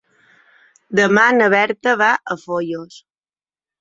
Demà na Berta va a Foios.